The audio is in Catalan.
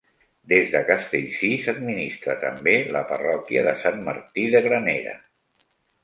Des de Castellcir s'administra també la parròquia de Sant Martí de Granera.